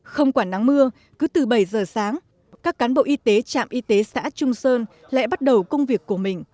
không quản nắng mưa cứ từ bảy giờ sáng các cán bộ y tế trạm y tế xã trung sơn lại bắt đầu công việc của mình